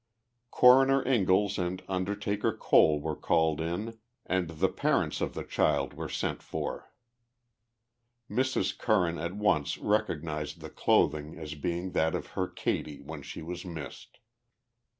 Coroner Ingalls and Undertaker Cole were called in and the parents of the child were sent for. Mrs. Curran at once recognized the clothing as being that of her Katie when she was missed.